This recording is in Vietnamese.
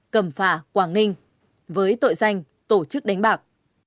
cẩm phạ quảng ninh với tội danh tổ chức đánh bạc